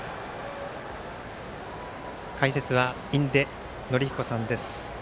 解説は印出順彦さんです。